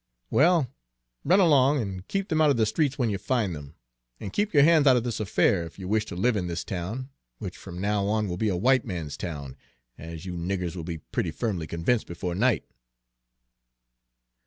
"Well, run along, and keep them out of the streets when you find them; and keep your hands out of this affair, if you wish to live in this town, which from now on will be a white man's town, as you niggers will be pretty firmly convinced before night."